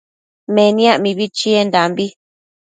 Meniac mibi chiendambi